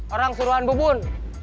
orang suruhan bubun